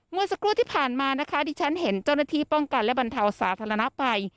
เมื่อสักครู่ที่ผ่านมานะคะดิฉันเห็นเจ้าหน้าที่ป้องกันและบรรเทาสาธารณภัย